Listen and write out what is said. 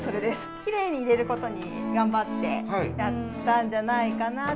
キレイに入れることにがんばってやったんじゃないかなって。